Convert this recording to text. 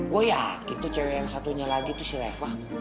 boy ya gitu cewek yang satunya lagi tuh si lekpa